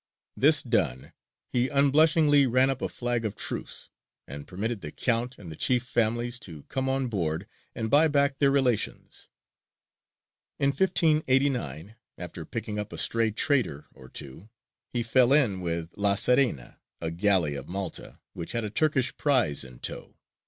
This done, he unblushingly ran up a flag of truce, and permitted the Count and the chief families to come on board and buy back their relations. In 1589, after picking up a stray trader or two, he fell in with La Serena, a galley of Malta, which had a Turkish prize in tow.